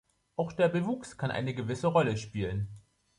Auch der Bewuchs kann eine gewisse Rolle spielen.